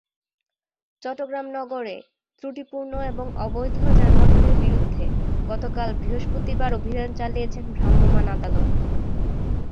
চট্টগ্রাম নগরে ত্রুটিপূর্ণ এবং অবৈধ যানবাহনের বিরুদ্ধে গতকাল বৃহস্পতিবার অভিযান চালিয়েছেন ভ্রাম্যমাণ আদালত।